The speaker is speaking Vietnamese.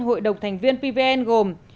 hội đồng thành viên pvn gồm